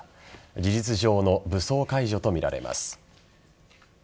事実上の武装解除とみられます。